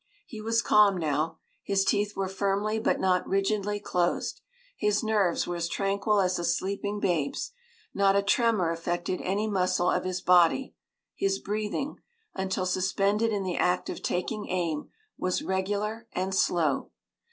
He was calm now. His teeth were firmly but not rigidly closed; his nerves were as tranquil as a sleeping babe's not a tremor affected any muscle of his body; his breathing, until suspended in the act of taking aim, was regular and slow.